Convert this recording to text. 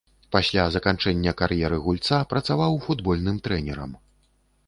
Пасля заканчэння кар'еры гульца працаваў футбольным трэнерам.